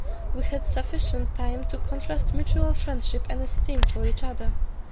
We had sufficient time to contrast mutual friendship and esteem for each other.